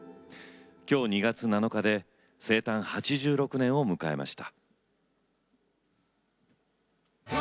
今日２月７日で生誕８６年を迎えました。